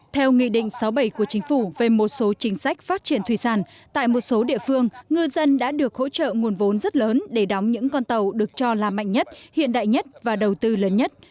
theo nghị định sáu bảy của chính phủ về một số chính sách phát triển thủy sản tại một số địa phương ngư dân đã được hỗ trợ nguồn vốn rất lớn để đóng những con tàu được cho là mạnh nhất hiện đại nhất và đầu tư lớn nhất